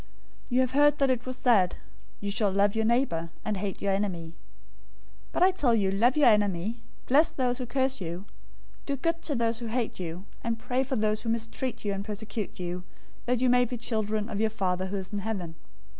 005:043 "You have heard that it was said, 'You shall love your neighbor, and hate your enemy.'{Leviticus 19:18} 005:044 But I tell you, love your enemies, bless those who curse you, do good to those who hate you, and pray for those who mistreat you and persecute you, 005:045 that you may be children of your Father who is in heaven.